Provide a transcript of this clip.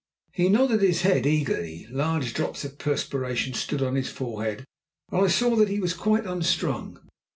He nodded his head eagerly. Large drops of perspiration stood on his forehead, and I saw that he was quite unstrung.